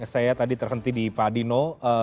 saya tadi terhenti di pak dino